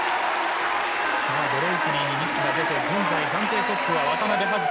ブレイクリーにミスが出て現在、暫定トップは渡部葉月。